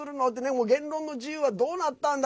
もう、言論の自由はどうなったんだ！？